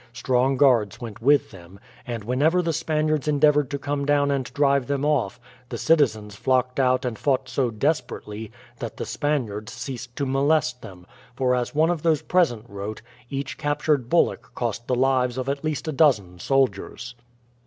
Strong guards went with them, and whenever the Spaniards endeavoured to come down and drive them off, the citizens flocked out and fought so desperately that the Spaniards ceased to molest them; for as one of those present wrote, each captured bullock cost the lives of at least a dozen soldiers.